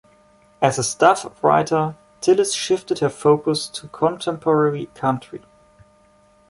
As a staff writer, Tillis shifted her focus to contemporary country.